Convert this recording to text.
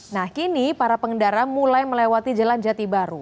nah kini para pengendara mulai melewati jalan jati baru